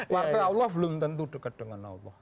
partai allah belum tentu dekat dengan allah